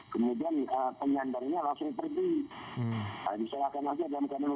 kemudian penyandarinya langsung pergi